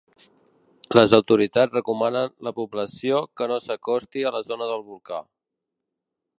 Les autoritats recomanen la població que no s’acosti a la zona del volcà.